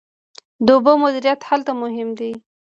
د اوبو مدیریت هلته مهم دی.